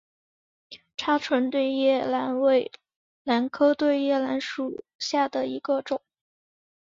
叉唇对叶兰为兰科对叶兰属下的一个种。